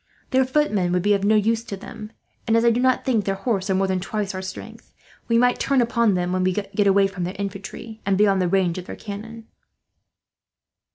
Their footmen would then be of no use to them and, as I do not think their horse are more than twice our strength, we might turn upon them when we get them away from their infantry, and beyond the range of their cannon."